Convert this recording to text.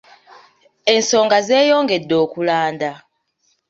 Ensonga zeeyongedde okulanda.